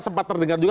sempat terdengar juga